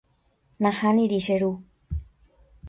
Nahániri che ru.